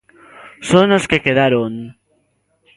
Son os que quedaron.